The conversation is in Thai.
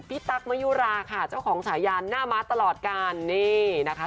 ตั๊กมะยุราค่ะเจ้าของฉายานหน้าม้าตลอดกันนี่นะคะ